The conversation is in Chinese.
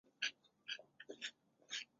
森图塞是巴西巴伊亚州的一个市镇。